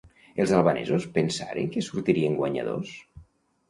Els albanesos pensaren que sortirien guanyadors?